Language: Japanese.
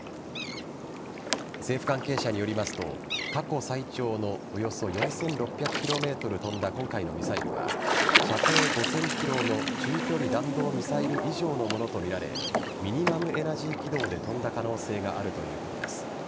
政府関係者によりますと過去最長のおよそ４６００ｋｍ飛んだ今回のミサイルは射程５０００ｋｍの中距離弾道ミサイル以上のものとみられミニマムエナジー軌道で飛んだ可能性があるということです。